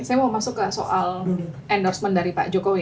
saya mau masuk ke soal endorsement dari pak jokowi